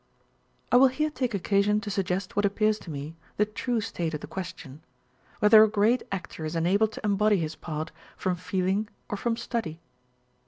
I will here take occasion to suggest what appears to me the true state of the question, whether a great actor is enabled to embody his part from feeling or from study.